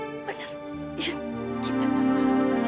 yuk kita cari